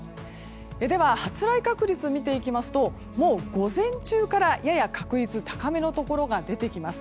では、発雷確率を見ていきますともう午前中からやや確率が高めのところが出てきます。